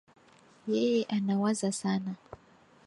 Yeye anawaza sana